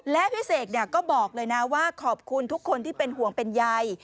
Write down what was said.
และพี่เสกก็บอกเลยนะว่าขอบคุณทุกคนที่เป็นห่วงเป็นใย